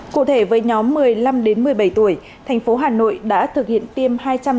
cụ thể với nhóm một mươi năm đến một mươi bảy tuổi thành phố hà nội đã thực hiện tiêm